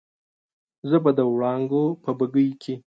زه به د وړانګو په بګۍ کې